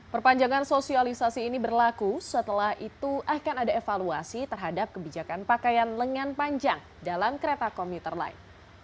perpanjangan sosialisasi ini berlaku setelah itu akan ada evaluasi terhadap kebijakan pakaian lengan panjang dalam kereta komuter lain